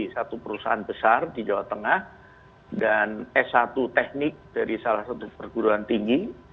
satu perusahaan besar di jawa tengah dan s satu teknik dari salah satu perguruan tinggi